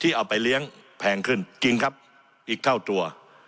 เอาไปเลี้ยงแพงขึ้นจริงครับอีกเท่าตัว